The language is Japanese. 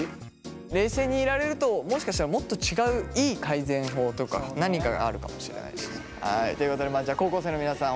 冷静にいられるともしかしたらもっと違ういい改善法とか何かがあるかもしれないです。ということで高校生の皆さん